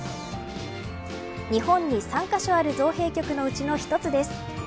日本に３カ所ある造幣局の１つです。